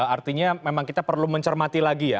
artinya memang kita perlu mencermati lagi ya